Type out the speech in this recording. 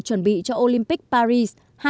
chuẩn bị cho olympic paris hai nghìn hai mươi